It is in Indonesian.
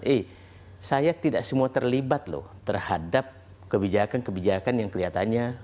eh saya tidak semua terlibat loh terhadap kebijakan kebijakan yang kelihatannya